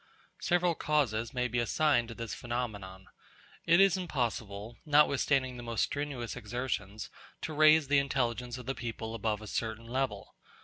Several causes may be assigned to this phenomenon. It is impossible, notwithstanding the most strenuous exertions, to raise the intelligence of the people above a certain level.